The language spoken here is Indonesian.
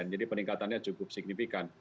jadi peningkatannya cukup signifikan